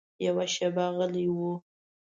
یوه شېبه غلی و.